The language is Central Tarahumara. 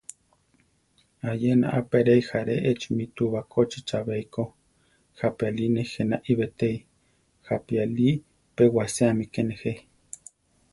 Ayena a peréi járe echimi túu bakóchi chabéiko, jápi Ali nejé naí betéi, jápi Ali pe waséami ke nejé.